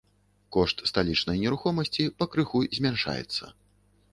Кошт сталічнай нерухомасці пакрыху змяншаецца.